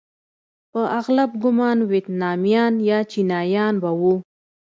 په اغلب ګومان ویتنامیان یا چینایان به وو.